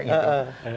nggak dipakai gitu